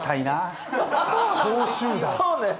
そうね。